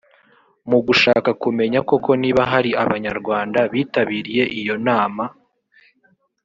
Mu gushaka kumenya koko niba hari Abanyarwanda bitabiriye iyo nama